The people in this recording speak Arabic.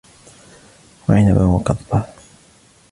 وعنبا وقضبا